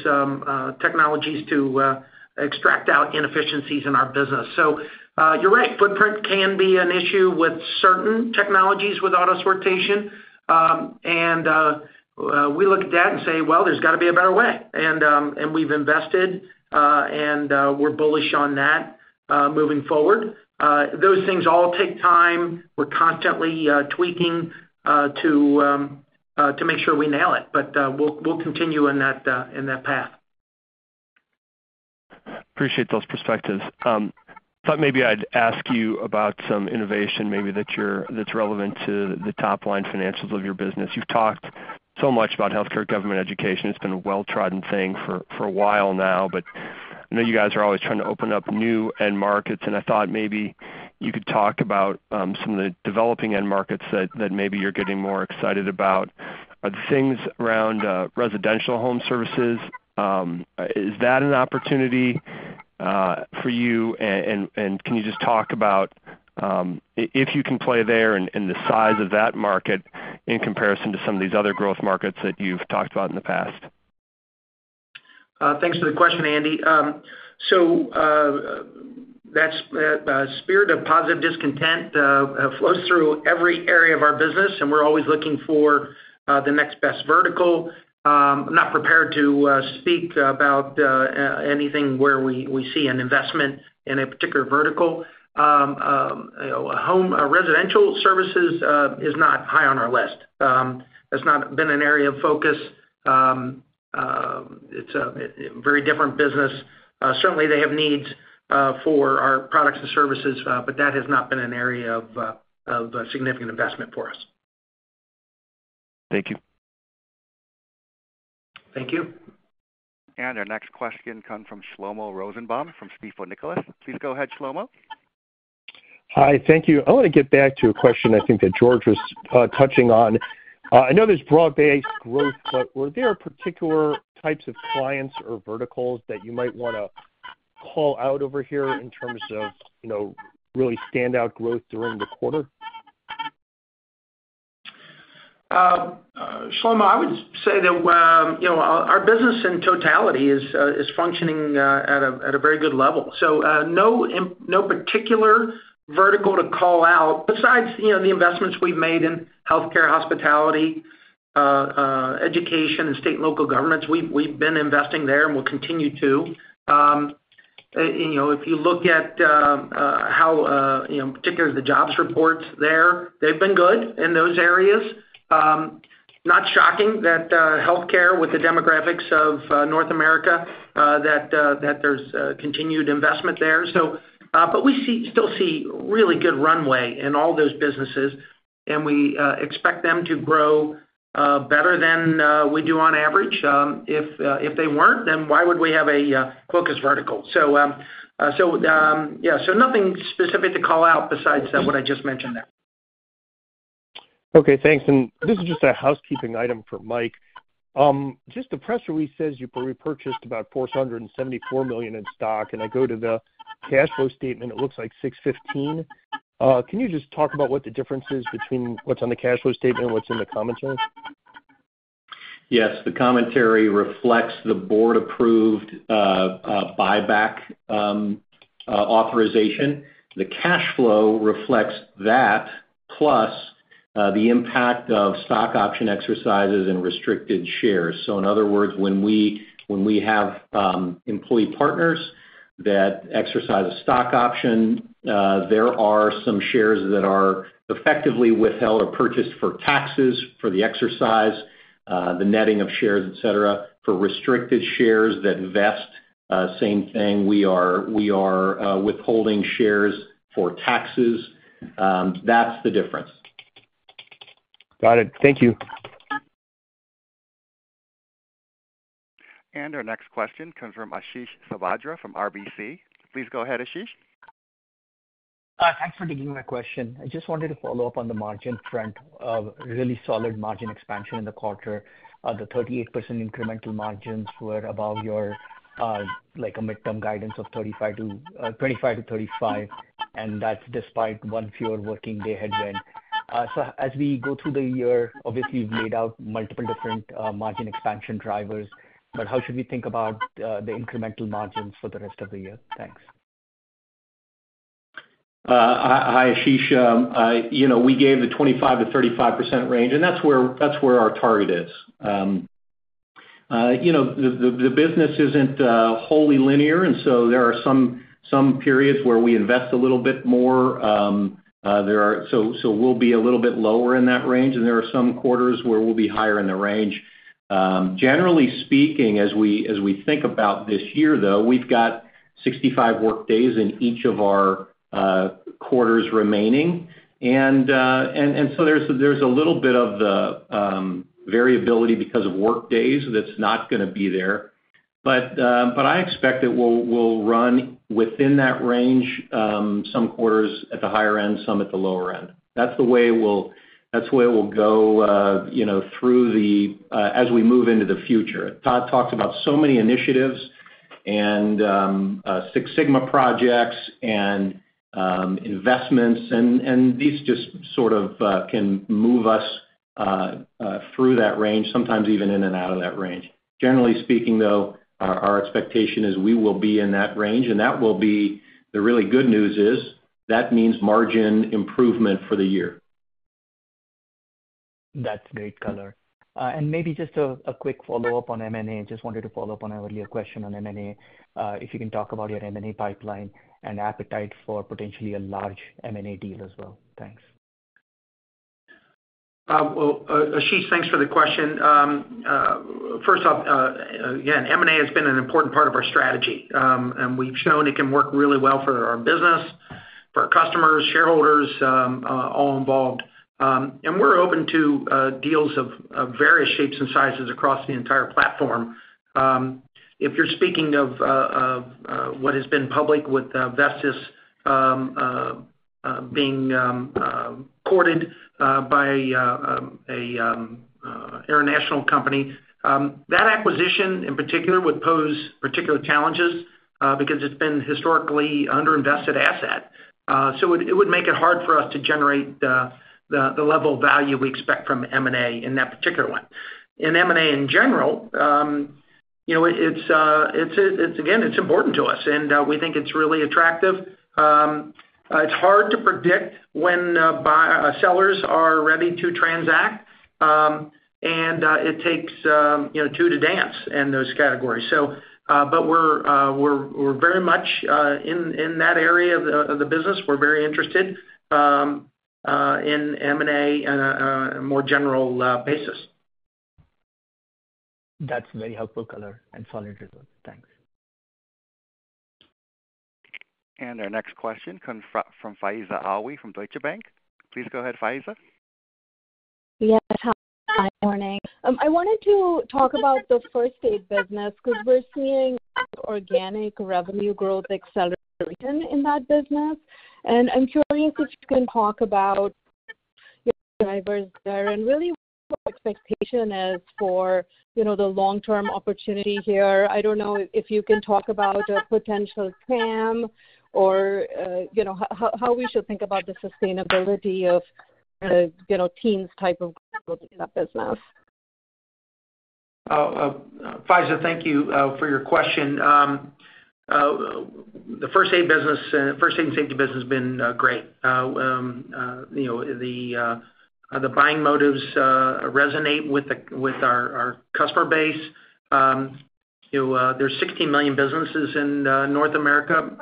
technologies to extract out inefficiencies in our business. So, you're right, footprint can be an issue with certain technologies with auto sortation. And we look at that and say, "Well, there's gotta be a better way." And we've invested and we're bullish on that moving forward. Those things all take time. We're constantly tweaking to make sure we nail it, but we'll continue in that path. Appreciate those perspectives. Thought maybe I'd ask you about some innovation, maybe that's relevant to the top-line financials of your business. You've talked so much about healthcare, government, education. It's been a well-trodden thing for a while now, but I know you guys are always trying to open up new end markets, and I thought maybe you could talk about some of the developing end markets that maybe you're getting more excited about. Are the things around residential home services, is that an opportunity for you? And can you just talk about if you can play there and the size of that market in comparison to some of these other growth markets that you've talked about in the past? Thanks for the question, Andy. So, that's the spirit of positive discontent flows through every area of our business, and we're always looking for the next best vertical. I'm not prepared to speak about anything where we see an investment in a particular vertical. You know, home residential services is not high on our list. It's not been an area of focus. It's a very different business. Certainly, they have needs for our products and services, but that has not been an area of significant investment for us. Thank you. Thank you. And our next question comes from Shlomo Rosenbaum from Stifel Nicolaus. Please go ahead, Shlomo. Hi, thank you. I want to get back to a question I think that George was touching on. I know there's broad-based growth, but were there particular types of clients or verticals that you might wanna call out over here in terms of, you know, really standout growth during the quarter? Shlomo, I would say that, you know, our business in totality is functioning at a very good level. So, no particular vertical to call out, besides, you know, the investments we've made in healthcare, hospitality, education, and state and local governments. We've been investing there and will continue to. And, you know, if you look at how, you know, particularly the jobs reports there, they've been good in those areas. Not shocking that healthcare, with the demographics of North America, that there's continued investment there. So, but we still see really good runway in all those businesses, and we expect them to grow better than we do on average. If they weren't, then why would we have a focus vertical? So, yeah, so nothing specific to call out besides what I just mentioned there. Okay, thanks. And this is just a housekeeping item for Mike. Just the press release says you repurchased about $474 million in stock, and I go to the cash flow statement, it looks like $615. Can you just talk about what the difference is between what's on the cash flow statement and what's in the commentary? Yes, the commentary reflects the board-approved buyback authorization. The cash flow reflects that, plus the impact of stock option exercises and restricted shares. So in other words, when we have employee partners that exercise a stock option, there are some shares that are effectively withheld or purchased for taxes, for the exercise, the netting of shares, et cetera, for restricted shares that vest, same thing. We are withholding shares for taxes. That's the difference. Got it. Thank you. Our next question comes from Ashish Sabadra from RBC. Please go ahead, Ashish. Thanks for taking my question. I just wanted to follow up on the margin front of really solid margin expansion in the quarter. The 38% incremental margins were above your, like a mid-term guidance of 25%-35%, and that's despite one fewer working day headwind. So as we go through the year, obviously, you've laid out multiple different margin expansion drivers, but how should we think about the incremental margins for the rest of the year? Thanks. Hi, Ashish. You know, we gave the 25%-35% range, and that's where, that's where our target is. You know, the business isn't wholly linear, and so there are some periods where we invest a little bit more, there are. So we'll be a little bit lower in that range, and there are some quarters where we'll be higher in the range. Generally speaking, as we think about this year, though, we've got 65 work days in each of our quarters remaining. And so there's a little bit of the variability because of work days that's not gonna be there. But I expect that we'll run within that range, some quarters at the higher end, some at the lower end. That's the way we'll, that's the way it will go, you know, through the, as we move into the future. Todd talked about so many initiatives and, Six Sigma projects and, investments, and these just sort of can move us through that range, sometimes even in and out of that range. Generally speaking, though, our expectation is we will be in that range, and that will be, the really good news is, that means margin improvement for the year. That's great color. And maybe just a quick follow-up on M&A. Just wanted to follow up on our earlier question on M&A. If you can talk about your M&A pipeline and appetite for potentially a large M&A deal as well. Thanks. Ashish, thanks for the question. First off, again, M&A has been an important part of our strategy, and we've shown it can work really well for our business, for our customers, shareholders, all involved, and we're open to deals of various shapes and sizes across the entire platform. If you're speaking of what has been public with Vestis being courted by an international company, that acquisition, in particular, would pose particular challenges, because it's been historically underinvested asset, so it would make it hard for us to generate the level of value we expect from M&A in that particular one. In M&A in general, you know, it's important to us, and we think it's really attractive. It's hard to predict when buyers and sellers are ready to transact, and it takes, you know, two to dance in those categories. So, but we're very much in that area of the business. We're very interested in M&A on a more general basis. That's very helpful color and solid report. Thanks. Our next question comes from Faiza Alwy from Deutsche Bank. Please go ahead, Faiza. Yes, hi, good morning. I wanted to talk about the first aid business, because we're seeing organic revenue growth acceleration in that business. And I'm curious if you can talk about your drivers there and really what your expectation is for, you know, the long-term opportunity here. I don't know if you can talk about a potential TAM or, you know, how we should think about the sustainability of, you know, teens type of growth in that business. Faiza, thank you for your question. The first aid and safety business has been great. You know, the buying motives resonate with our customer base. You know, there's sixteen million businesses in North America.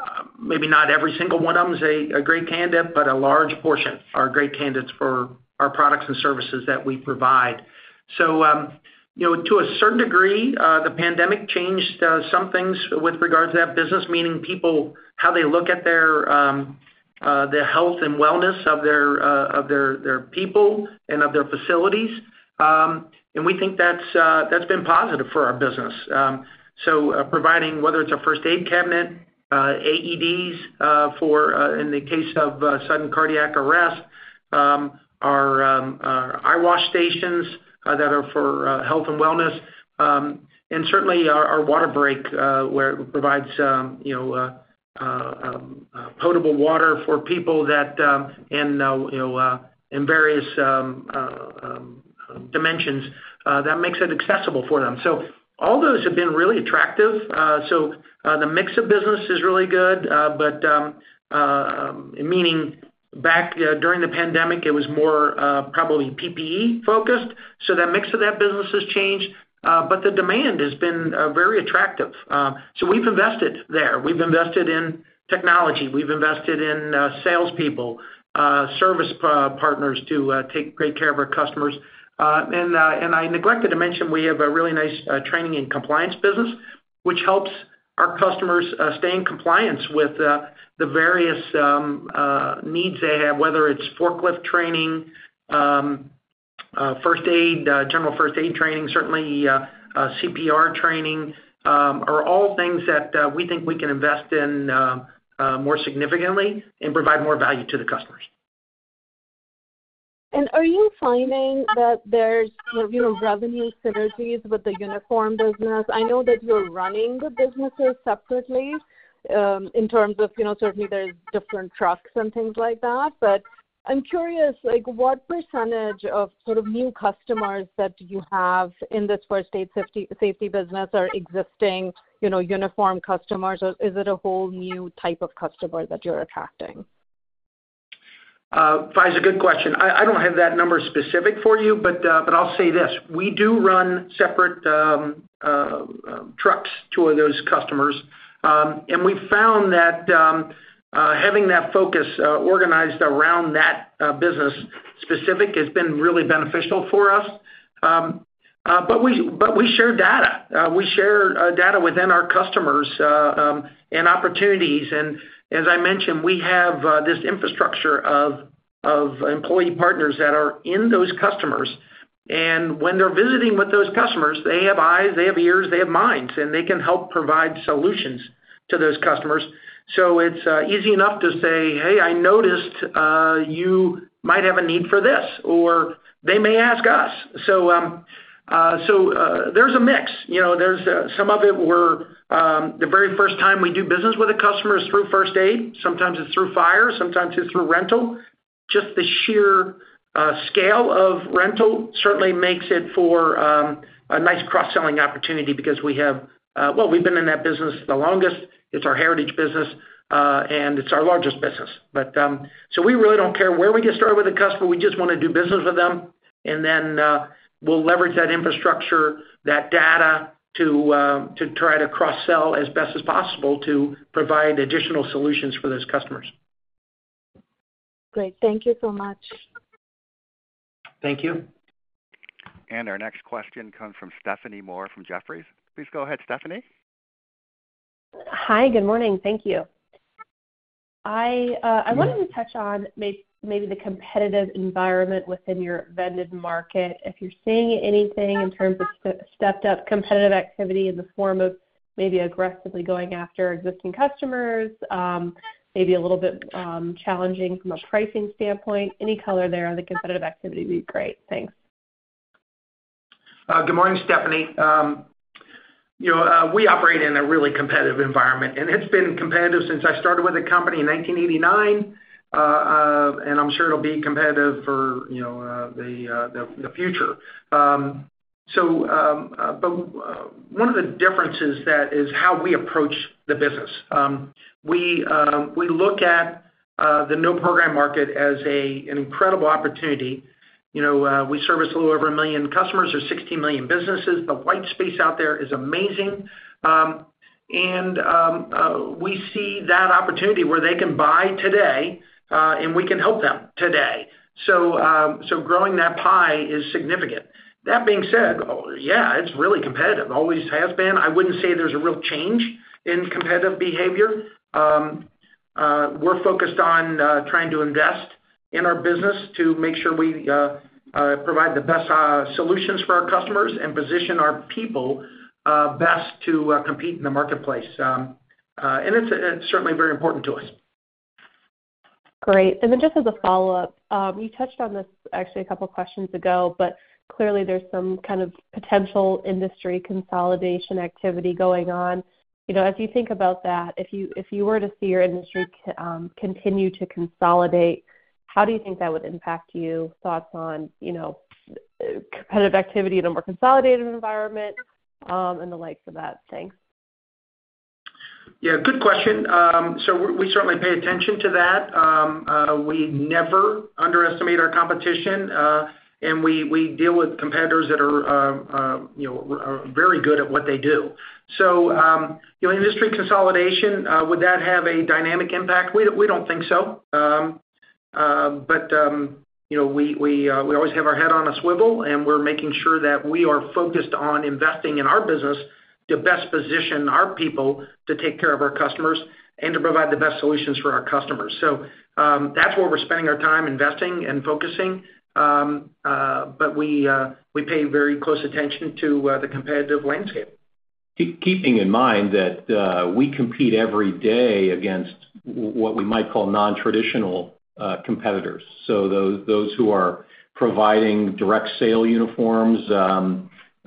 Maybe not every single one of them is a great candidate, but a large portion are great candidates for our products and services that we provide. So, you know, to a certain degree, the pandemic changed some things with regards to that business, meaning people, how they look at the health and wellness of their people and of their facilities. And we think that's been positive for our business. So, providing whether it's a first aid cabinet, AEDs for, in the case of sudden cardiac arrest, our eye wash stations that are for health and wellness, and certainly our water break where it provides you know potable water for people that and you know in various dimensions that makes it accessible for them. So all those have been really attractive. So, the mix of business is really good, but meaning back during the pandemic, it was more probably PPE focused, so that mix of that business has changed, but the demand has been very attractive. So we've invested there. We've invested in technology, we've invested in salespeople, service partners to take great care of our customers. And I neglected to mention, we have a really nice training and compliance business, which helps our customers stay in compliance with the various needs they have, whether it's forklift training, first aid, general first aid training, certainly, CPR training, are all things that we think we can invest in more significantly and provide more value to the customers. And are you finding that there's, you know, revenue synergies with the uniform business? I know that you're running the businesses separately, in terms of, you know, certainly there's different trucks and things like that. But I'm curious, like, what percentage of sort of new customers that you have in this first aid, safety business are existing, you know, uniform customers, or is it a whole new type of customer that you're attracting? Faiza, good question. I don't have that number specific for you, but I'll say this: We do run separate trucks to those customers. And we've found that having that focus organized around that business specific has been really beneficial for us. But we share data within our customers and opportunities, and as I mentioned, we have this infrastructure of employee partners that are in those customers. And when they're visiting with those customers, they have eyes, they have ears, they have minds, and they can help provide solutions to those customers. So it's easy enough to say, "Hey, I noticed you might have a need for this," or they may ask us. So there's a mix. You know, there's some of it where the very first time we do business with a customer is through first aid, sometimes it's through fire, sometimes it's through rental. Just the sheer scale of rental certainly makes for a nice cross-selling opportunity because we have, well, we've been in that business the longest, it's our heritage business, and it's our largest business, but so we really don't care where we get started with a customer, we just wanna do business with them, and then we'll leverage that infrastructure, that data, to try to cross-sell as best as possible to provide additional solutions for those customers. Great. Thank you so much. Thank you. And our next question comes from Stephanie Moore from Jefferies. Please go ahead, Stephanie. Hi, good morning. Thank you. I wanted to touch on maybe the competitive environment within your vended market, if you're seeing anything in terms of stepped up competitive activity in the form of maybe aggressively going after existing customers, maybe a little bit, challenging from a pricing standpoint. Any color there on the competitive activity would be great. Thanks. Good morning, Stephanie. You know, we operate in a really competitive environment, and it's been competitive since I started with the company in 1989. And I'm sure it'll be competitive for, you know, the future. So, but, one of the differences that is how we approach the business. We look at the No Program market as an incredible opportunity. You know, we service a little over a million customers. There's 16 million businesses. The white space out there is amazing. And we see that opportunity where they can buy today, and we can help them today. So, growing that pie is significant. That being said, yeah, it's really competitive, always has been. I wouldn't say there's a real change in competitive behavior. We're focused on trying to invest in our business to make sure we provide the best solutions for our customers and position our people best to compete in the marketplace. And it's certainly very important to us. Great. And then just as a follow-up, you touched on this actually a couple of questions ago, but clearly, there's some kind of potential industry consolidation activity going on. You know, as you think about that, if you were to see your industry continue to consolidate, how do you think that would impact you? Thoughts on, you know, competitive activity in a more consolidated environment, and the likes of that? Thanks. Yeah, good question. So we certainly pay attention to that. We never underestimate our competition, and we deal with competitors that, you know, are very good at what they do. So, you know, industry consolidation, would that have a dynamic impact? We don't think so. But, you know, we always have our head on a swivel, and we're making sure that we are focused on investing in our business to best position our people to take care of our customers and to provide the best solutions for our customers. So, that's where we're spending our time, investing and focusing. But we pay very close attention to the competitive landscape. Keeping in mind that, we compete every day against what we might call non-traditional competitors, so those who are providing direct sale uniforms,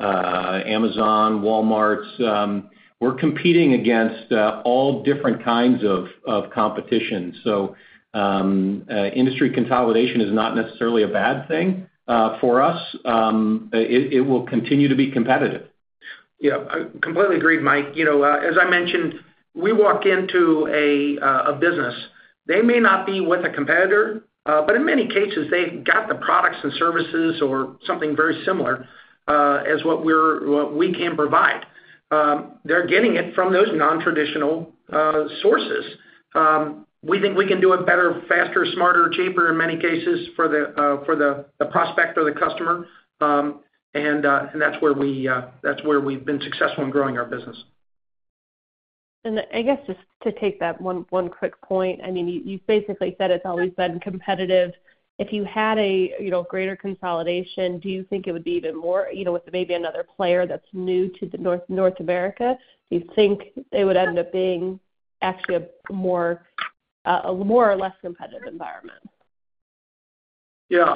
Amazon, Walmart, we're competing against all different kinds of competition. So, industry consolidation is not necessarily a bad thing for us. It will continue to be competitive. Yeah, I completely agree, Mike. You know, as I mentioned, we walk into a business, they may not be with a competitor, but in many cases, they've got the products and services or something very similar as what we're—what we can provide. They're getting it from those non-traditional sources. We think we can do it better, faster, smarter, cheaper, in many cases for the prospect or the customer. And that's where we've been successful in growing our business. I guess just to take that one quick point, I mean, you basically said it's always been competitive. If you had a, you know, greater consolidation, do you think it would be even more, you know, with maybe another player that's new to the North America? Do you think it would end up being actually a more, a more or less competitive environment? Yeah,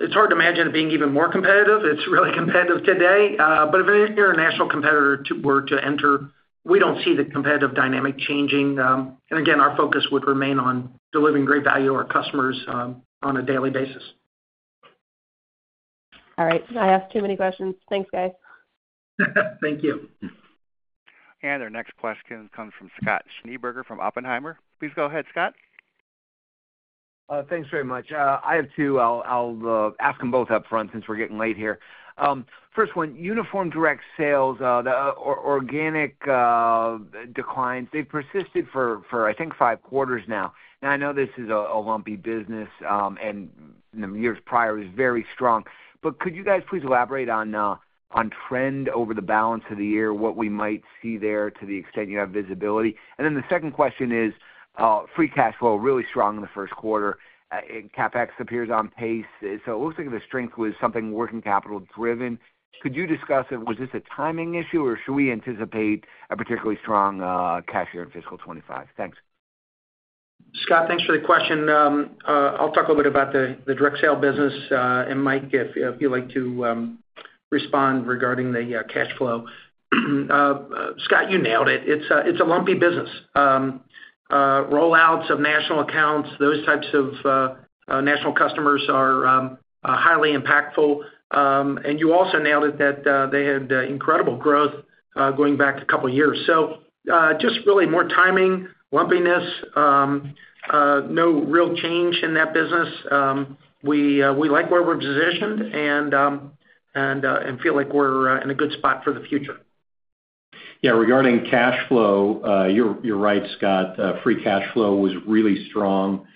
it's hard to imagine it being even more competitive. It's really competitive today, but if an international competitor were to enter, we don't see the competitive dynamic changing, and again, our focus would remain on delivering great value to our customers on a daily basis. All right. I asked too many questions. Thanks, guys. Thank you. Our next question comes from Scott Schneeberger from Oppenheimer. Please go ahead, Scott. Thanks very much. I have two. I'll ask them both up front since we're getting late here. First one, Uniform Direct Sales, the organic declines, they've persisted for, I think, five quarters now. And I know this is a lumpy business, and the years prior was very strong. But could you guys please elaborate on trend over the balance of the year, what we might see there to the extent you have visibility? And then the second question is, free cash flow, really strong in the first quarter, and CapEx appears on pace. So it looks like the strength was something working capital-driven. Could you discuss if was this a timing issue, or should we anticipate a particularly strong cash year in fiscal 2025? Thanks. Scott, thanks for the question. I'll talk a little bit about the direct sale business, and Mike, if you'd like to respond regarding the cash flow. Scott, you nailed it. It's a lumpy business. Rollouts of national accounts, those types of national customers are highly impactful. And you also nailed it that they had incredible growth going back a couple of years. So, just really more timing, lumpiness, no real change in that business. We like where we're positioned and feel like we're in a good spot for the future. Yeah, regarding cash flow, you're right, Scott. Free cash flow was really strong.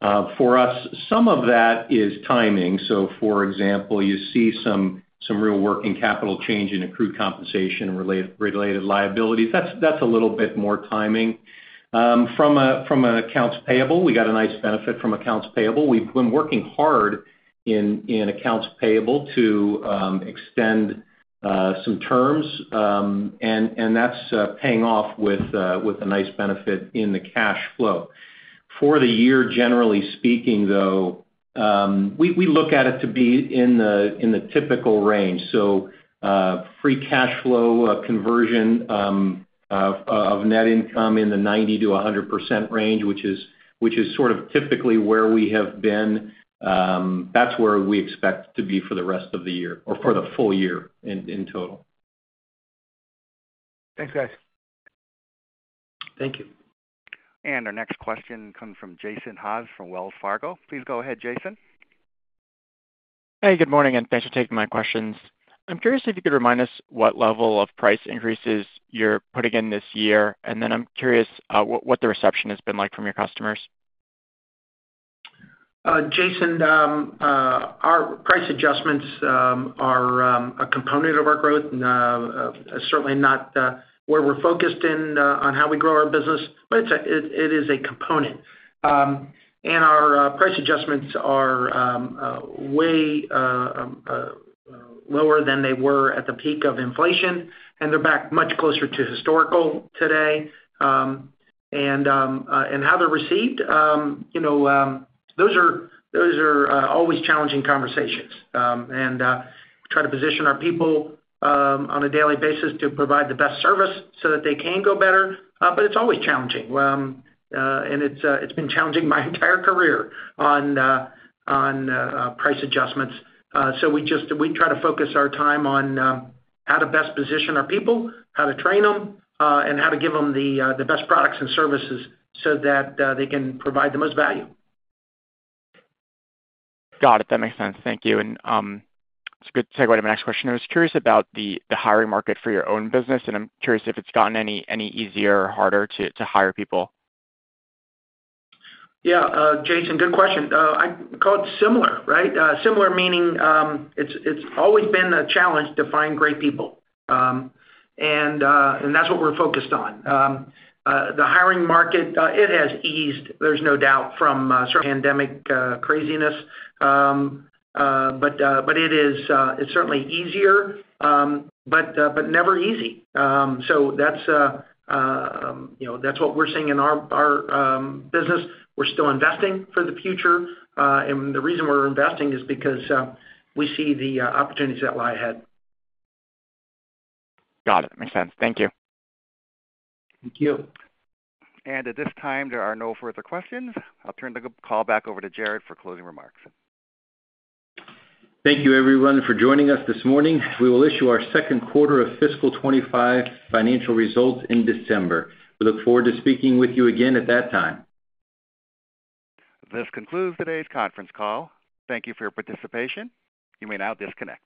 For us, some of that is timing. So for example, you see some real working capital change in accrued compensation and related liabilities. That's a little bit more timing. From an accounts payable, we got a nice benefit from accounts payable. We've been working hard in accounts payable to extend some terms, and that's paying off with a nice benefit in the cash flow. For the year, generally speaking, though, we look at it to be in the typical range. Free cash flow conversion of net income in the 90%-100% range, which is sort of typically where we have been. That's where we expect to be for the rest of the year or for the full year in total. Thanks, guys. Thank you. And our next question comes from Jason Haas from Wells Fargo. Please go ahead, Jason. Hey, good morning, and thanks for taking my questions. I'm curious if you could remind us what level of price increases you're putting in this year, and then I'm curious, what the reception has been like from your customers. Jason, our price adjustments are a component of our growth, certainly not where we're focused in on how we grow our business, but it is a component. And our price adjustments are way lower than they were at the peak of inflation, and they're back much closer to historical today. And how they're received, you know, those are always challenging conversations. And try to position our people on a daily basis to provide the best service so that they can go better, but it's always challenging. And it's been challenging my entire career on price adjustments. So we try to focus our time on how to best position our people, how to train them, and how to give them the best products and services so that they can provide the most value. Got it. That makes sense. Thank you. And, it's a good segue to my next question. I was curious about the hiring market for your own business, and I'm curious if it's gotten any easier or harder to hire people. Yeah, Jason, good question. I'd call it similar, right? Similar meaning, it's always been a challenge to find great people. And that's what we're focused on. The hiring market, it has eased, there's no doubt from sort of pandemic craziness. But it is, it's certainly easier, but never easy. So that's, you know, that's what we're seeing in our business. We're still investing for the future, and the reason we're investing is because we see the opportunities that lie ahead. Got it. Makes sense. Thank you. Thank you. At this time, there are no further questions. I'll turn the call back over to Jared for closing remarks. Thank you, everyone, for joining us this morning. We will issue our second quarter of fiscal 2025 financial results in December. We look forward to speaking with you again at that time. This concludes today's conference call. Thank you for your participation. You may now disconnect.